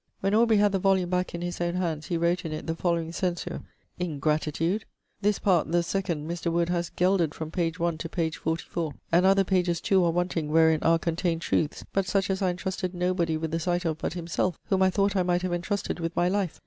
When Aubrey had the volume back in his own hands, he wrote in it the following censure: 'Ingratitude! This part the second Mr. Wood haz gelded from page 1 to page 44 and other pages too are wanting wherein are contained trueths, but such as I entrusted nobody with the sight of but himselfe (whom I thought I might have entrusted with my life).